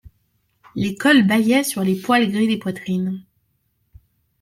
Les cols bâillaient sur les poils gris des poitrines.